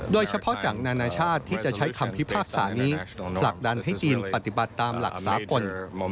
โดยเฉพาะจากนานาชาติที่จะใช้คำพิพากษานี้ผลักดันให้จีนปฏิบัติตามหลักสากล